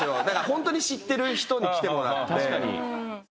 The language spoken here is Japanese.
だからホントに知ってる人に来てもらって。